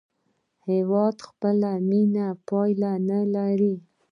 هېواد د خپلې مینې پای نه لري.